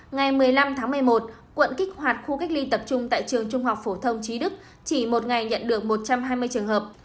ngày một mươi năm tháng một mươi một quận kích hoạt khu cách ly tập trung tại trường trung học phổ thông trí đức chỉ một ngày nhận được một trăm hai mươi trường hợp